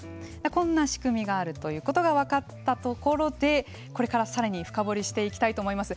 こんな仕組みがあるということが分かったところでこれからさらに深掘りしていきたいと思います。